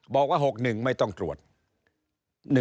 บอกว่า๖๑ไม่ต้องตรวจ